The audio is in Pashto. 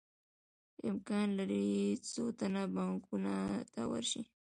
امکان لري څو تنه بانکونو ته ورشي